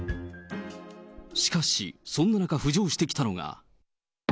しかし、そんな中、浮上してきたのが。